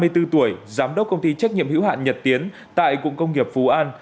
từ tuổi giám đốc công ty trách nhiệm hữu hạn nhật tiến tại cụng công nghiệp phú an